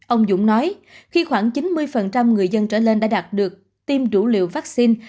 ông dũng nói khi khoảng chín mươi người dân trở lên đã đạt được tiêm đủ liều vaccine